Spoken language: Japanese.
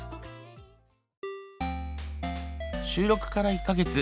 収録から１か月。